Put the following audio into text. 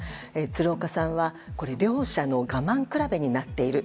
鶴岡さんは両者の我慢比べになっている。